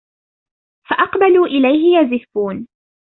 فَأَقبَلوا إِلَيهِ يَزِفّونَ